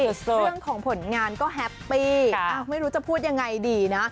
สุดสุดเรื่องของผลงานก็แฮปปี้ค่ะอ้าวไม่รู้จะพูดยังไงดีนะ